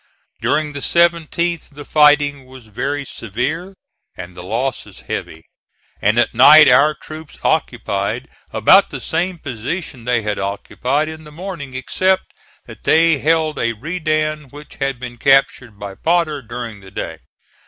During the 17th the fighting was very severe and the losses heavy; and at night our troops occupied about the same position they had occupied in the morning, except that they held a redan which had been captured by Potter during the day.